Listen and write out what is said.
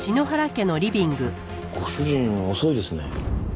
ご主人遅いですね。